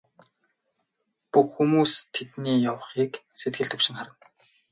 Бүх хүмүүс тэдний яахыг сэтгэл түгшин харна.